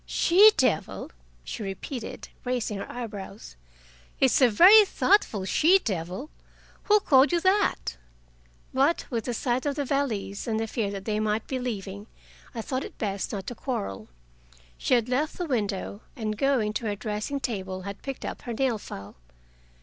"'She devil'!" she repeated, raising her eyebrows. "It's a very thoughtful she devil. Who called you that?" But, with the sight of the valise and the fear that they might be leaving, I thought it best not to quarrel. She had left the window, and going to her dressing table, had picked up her nail file.